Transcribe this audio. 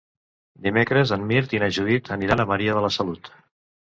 Dimecres en Mirt i na Judit aniran a Maria de la Salut.